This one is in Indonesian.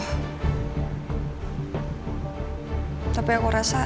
pernikahannya bisa berjalan sepenuhnya